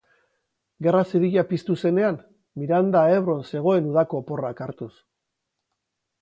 Gerra Zibila piztu zenean, Miranda Ebron zegoen udako oporrak hartuz.